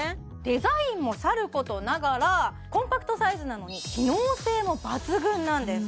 デザインもさることながらコンパクトサイズなのに機能性も抜群なんです！